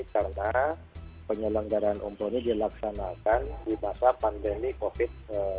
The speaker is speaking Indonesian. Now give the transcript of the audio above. karena penyelenggaraan umroh ini dilaksanakan di masa pandemi covid sembilan belas